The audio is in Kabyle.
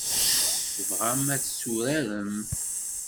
Tebɣam ad tt-turarem?